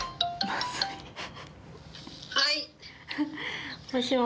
はい。